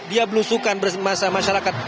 dia berusukan bersama masyarakat